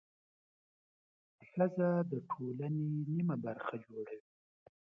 ښځه د ټولنې نیمه برخه جوړوي.